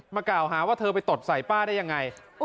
กล่าวหาว่าเธอไปตดใส่ป้าได้ยังไง